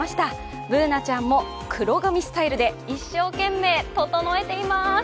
Ｂｏｏｎａちゃんも黒髪スタイルで一生懸命整えています。